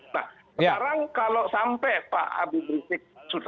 nah sekarang kalau sampai pak habib rizik